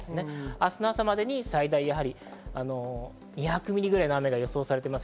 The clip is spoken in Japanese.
明日の朝までに最大２００ミリぐらいの雨が予想されています。